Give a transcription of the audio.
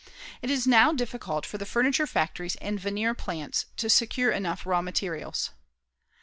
It is now difficult for the furniture factories and veneer plants to secure enough raw materials.